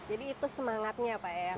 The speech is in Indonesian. jadi itu semangatnya pak